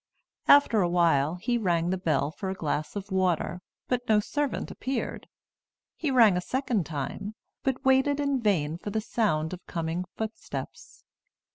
After a while, he rang the bell for a glass of water, but no servant appeared. He rang a second time, but waited in vain for the sound of coming footsteps.